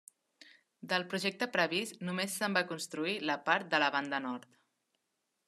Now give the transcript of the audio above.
Del projecte previst només se'n va construir la part de la banda nord.